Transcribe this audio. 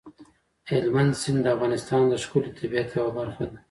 هلمند سیند د افغانستان د ښکلي طبیعت یوه برخه ده.